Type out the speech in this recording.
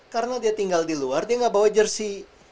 karena dia tinggal di luar dia gak bawa jersi